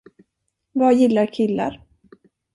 Vad gillar killar?